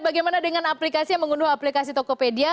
bagaimana dengan aplikasi yang mengunduh aplikasi tokopedia